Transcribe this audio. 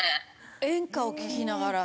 演歌を聴きながら？